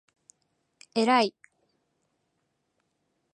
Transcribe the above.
えらい！！！！！！！！！！！！！！！